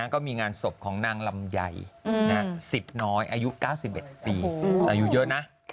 ก็มีงานศพของนางลำไย๑๐น้อยอายุ๙๑ปีอายุเยอะนะ